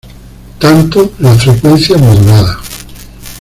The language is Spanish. Tanto la Fm.